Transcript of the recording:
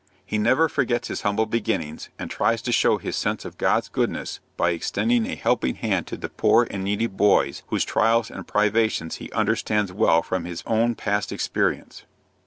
He never forgets his humble beginnings, and tries to show his sense of God's goodness by extending a helping hand to the poor and needy boys, whose trials and privations he understands well from his own past experience.